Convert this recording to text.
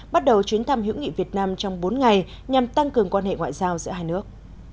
bắt đầu chuyến thăm hữu nghị việt nam trong bốn ngày nhằm tăng cường quan hệ ngoại giao giữa hai nước